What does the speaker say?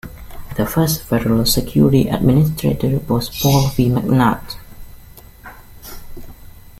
The first Federal Security Administrator was Paul V. McNutt.